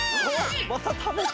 またたべた。